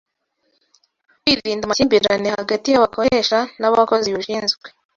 kwirinda amakimbirane hagati y'abakoresha n'abakozi bashinzwe